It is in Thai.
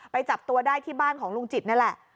จับตัวได้ที่บ้านของลุงจิตนั่นแหละ